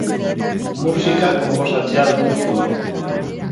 Musika konposatzea du gustuko.